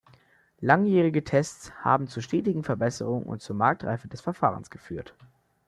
Langjährige Tests haben zu stetigen Verbesserungen und zur Marktreife des Verfahrens geführt.